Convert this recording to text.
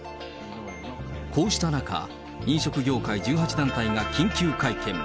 こうした中、飲食業界１８団体が緊急会見。